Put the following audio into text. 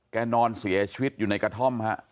นอนเสียชีวิตอยู่ในกระท่อมฮะ